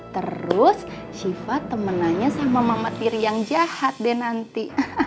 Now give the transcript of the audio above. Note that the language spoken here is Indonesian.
terus siva temenannya sama mama tiri yang jahat deh nanti